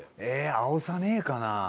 えーあおさねえかな？